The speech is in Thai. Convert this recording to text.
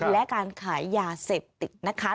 และการขายยาเสพติดนะคะ